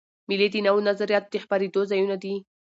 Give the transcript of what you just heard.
مېلې د نوو نظریاتو د خپرېدو ځایونه دي.